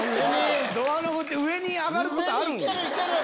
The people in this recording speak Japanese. ドアノブって上に上がることあるん？